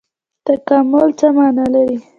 تکامل څه مانا لري؟